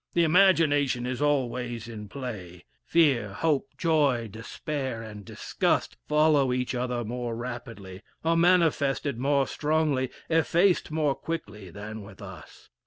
The imagination is always in play. Fear, hope, joy, despair, and disgust, follow each other more rapidly, are manifested more strongly, effaced more quickly, than with us.